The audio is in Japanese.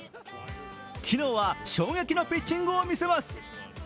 昨日は衝撃のピッチングを見せます。